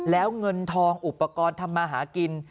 แล้วเงินทองอุปกรณ์ทำมาหากิน